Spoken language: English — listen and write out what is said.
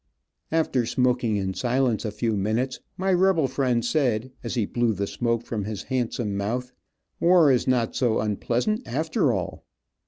After smoking in silence a few minutes my rebel friend said, as he blew the smoke from his handsome mouth, "War is not so unpleasant, after all."